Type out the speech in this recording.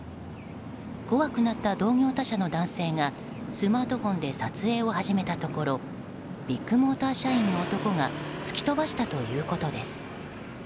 怖くなった同業他社の男性がスマートフォンで撮影を始めたところビッグモーター社員の男が突き飛ばしたということです。